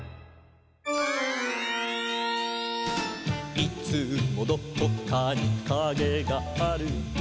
「いつもどこかにカゲがある」